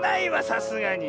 さすがに。